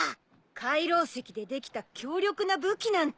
海楼石でできた強力な武器なんて。